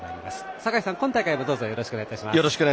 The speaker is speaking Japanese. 坂井さん、今大会もどうぞよろしくお願いします。